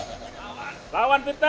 menfitnah lawan lawan politiknya